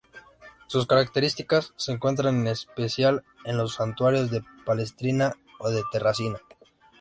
Sus características se encuentran en especial en los santuarios de Palestrina o de Terracina.